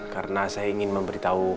karena saya ingin memberitahu